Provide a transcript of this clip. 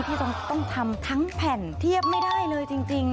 ที่ต้องทำทั้งแผ่นเทียบไม่ได้เลยจริง